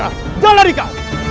hei abikara jangan larikan